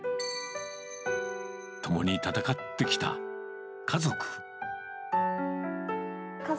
共に闘ってきた家族。